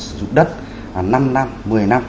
sử dụng đất năm năm một mươi năm